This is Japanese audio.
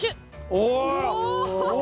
お！